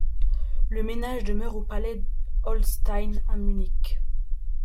Le ménage demeure au palais Holnstein à Munich.